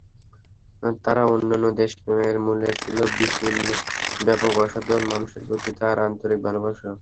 তাঁর অনন্য দেশপ্রেমের মূলে ছিল বিপুল-ব্যাপক সাধারণ মানুষের প্রতি তাঁর আন্তরিক ভালোবাসা।